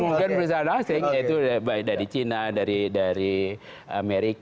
mungkin perusahaan asing yaitu dari cina dari amerika